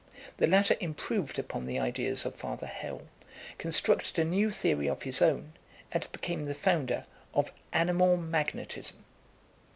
The latter improved upon the ideas of Father Hell, constructed a new theory of his own, and became the founder of ANIMAL MAGNETISM.